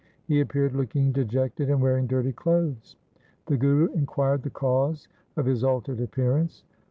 He appeared looking dejected and wearing dirty clothes. The Guru inquired the cause of his altered appear ance.